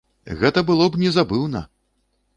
Гэта было б незабыўна!